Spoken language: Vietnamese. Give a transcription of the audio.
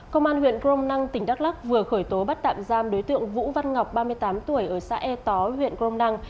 công an huyện crom năng tỉnh đắk lắc vừa khởi tố bắt tạm giam đối tượng vũ văn ngọc ba mươi tám tuổi ở xã e tó huyện grom năng